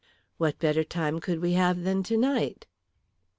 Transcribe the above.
"What better time could we have than tonight?"